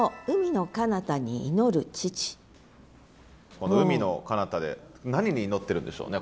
この「海の彼方」で何に祈ってるんでしょうね？